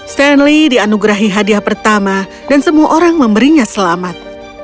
stanley dianugerahi hadiah pertama dan semua orang memberinya selamat